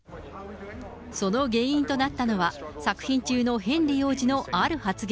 その原因となったのは、作品中のヘンリー王子のある発言。